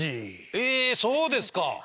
えそうですか。